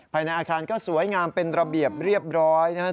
ภายในอาคารก็สวยงามเป็นระเบียบเรียบร้อยนะครับ